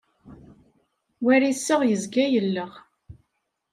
War iseɣ, yezga yelleɣ.